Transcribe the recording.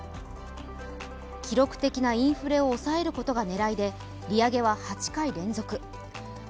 記録的なインフレを抑えることが狙いで、利上げは８回連続。